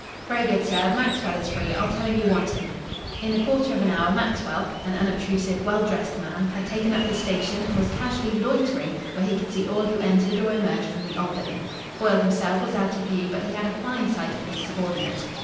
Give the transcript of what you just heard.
"Very good, sir. Maxwell is free. I'll tell him you want him." In a quarter of an hour Maxwell, an unobtrusive, well dressed man, had taken up his station and was casually loitering where he could see all who entered or emerged from the Albany. Foyle himself was out of view, but he had a fine sight of his subordinate.